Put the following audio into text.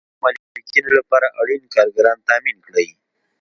د ځمکو مالکینو لپاره اړین کارګران تامین کړئ.